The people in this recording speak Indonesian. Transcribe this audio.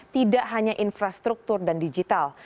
tidak hanya infrastruktur dan digital